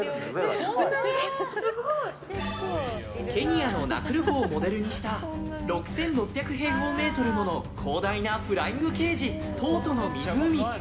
ケニアのナクル湖をモデルにした６６００平方メートルもの広大なフライングケージトートの湖。